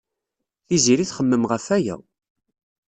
Tiziri txemmem ɣef waya.